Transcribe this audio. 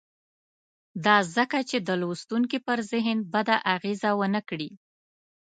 دا ځکه چې د لوستونکي پر ذهن بده اغېزه ونه کړي.